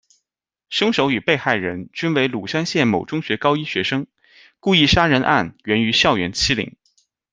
凶手与被害人均为鲁山县某中学高一学生，故意杀人案源于校园欺凌。